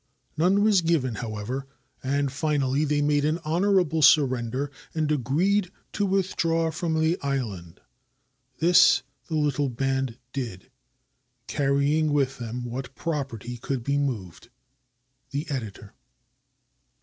None was given, however, and finally they made an honorable surrender and agreed to withdraw from the island. This the little band did, carrying with them what property could be moved. The Editor.